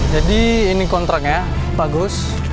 jadi ini kontraknya pak gus